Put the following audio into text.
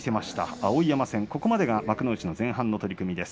碧山戦、ここまでが幕内前半です。